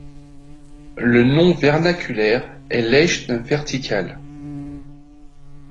Le nom vernaculaire est læschne verticale.